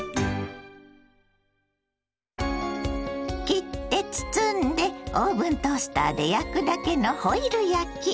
切って包んでオーブントースターで焼くだけのホイル焼き。